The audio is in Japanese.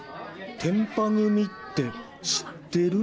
てんぱ組って知ってる？